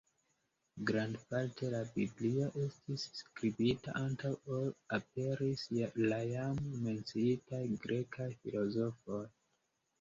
Grandparte la biblio estis skribita antaŭ ol aperis la jam menciitaj grekaj filozofoj.